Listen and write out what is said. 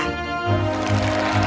keluarkan pangeran dolor